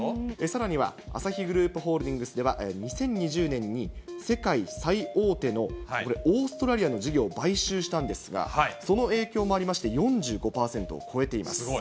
さらにはアサヒグループホールディングスでは、２０２０年に、世界最大手のこれ、オーストラリアの事業を買収したんですが、その影響もありまして、４５％を超えています。